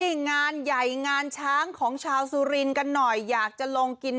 งานใหญ่งานช้างของชาวสุรินทร์กันหน่อยอยากจะลงกิน